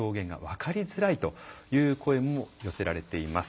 分かりづらいという声も寄せられています。